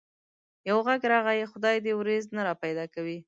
يو غږ راغی: خدای دي وريځ نه را پيدا کوي.